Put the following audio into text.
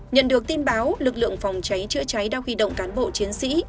nhận được tin báo lực lượng phòng cháy chữa cháy đã huy động cán bộ chiến sĩ